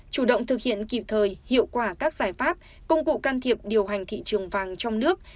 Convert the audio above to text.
chủ động thực hiện kịp thời hiệu quả các giải pháp công cụ can thiệp điều hành thị trường vàng trong nước